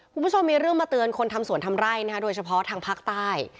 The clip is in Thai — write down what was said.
คุณผู้ชมมีเรื่องมาเตือนคนทำสวนทำไร่นะคะโดยเฉพาะทางภาคใต้